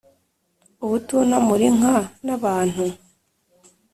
ubutunamura inka n'abantu,